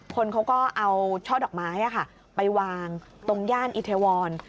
คนเขาก็เอาช่อดอกไม้ไปวางตรงย่านอิเทวร